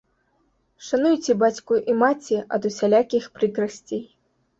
Шануйце бацьку і маці ад усялякіх прыкрасцей.